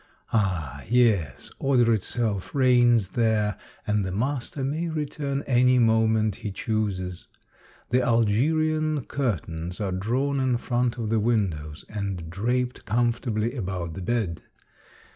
Ah, yes, order itself reigns there, and the master may return any moment he chooses. The Algerian curtains are drawn in front of the windows, and draped comfortably about the bed.